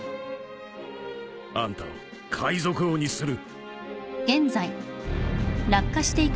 あんたを海賊王にする